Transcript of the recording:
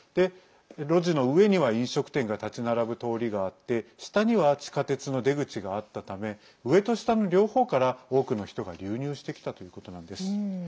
路地の上には飲食店が立ち並ぶ通りがあって下には地下鉄の出口があったため上と下の両方から多くの人が流入してきたということなんです。